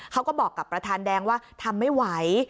เขาก็บอกกับประธานแดงว่าทำไม่ไหว